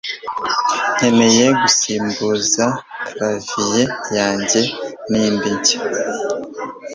Nkeneye gusimbuza clavier yanjye nindi nshya.